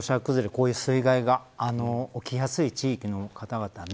こういう水害が起きやすい地域の方々ね